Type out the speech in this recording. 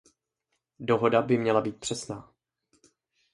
Dohoda by měla být přesná.